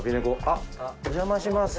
あっお邪魔します。